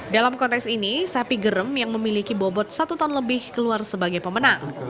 dalam konteks ini sapi gerem yang memiliki bobot satu ton lebih keluar sebagai pemenang